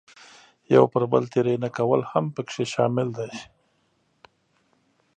یو پر بل تېری نه کول هم پکې شامل دي.